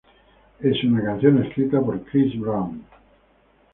Es una canción escrita por Chris Brown.